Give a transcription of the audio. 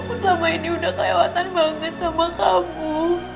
aku selama ini udah kelewatan banget sama kamu